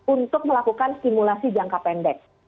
untuk melakukan simulasi jangka pendek